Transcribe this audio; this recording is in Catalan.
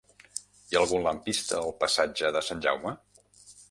Hi ha algun lampista al passatge de Sant Jaume?